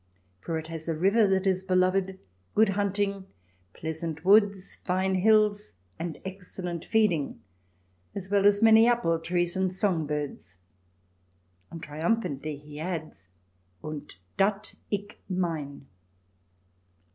For it has a river that is beloved, good hunting, pleasant woods, fine hills, and excellent feeding, as well as many apple trees and song birds." And triumphantly he adds :" Und dat ick mein !"